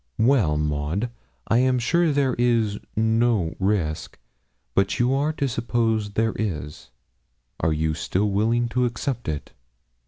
'Well, Maud, I am sure there is no risk; but you are to suppose there is. Are you still willing to accept it?'